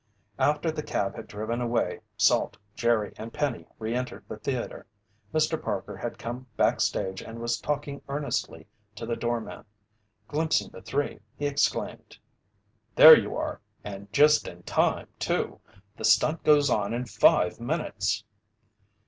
After the cab had driven away, Salt, Jerry, and Penny re entered the theater. Mr. Parker had come backstage and was talking earnestly to the doorman. Glimpsing the three, he exclaimed: "There you are! And just in time too! The stunt goes on in five minutes."